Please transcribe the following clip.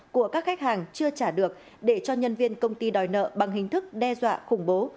của các khách hàng chưa trả được để cho nhân viên công ty đòi nợ bằng hình thức đe dọa khủng bố